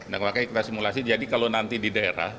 dan makanya kita simulasi jadi kalau nanti di daerah